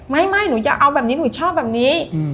ไม่หนูอย่าเอาแบบนี้หนูชอบแบบนี้